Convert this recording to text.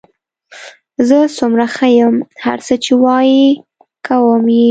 زه څومره ښه یم، هر څه چې وایې کوم یې.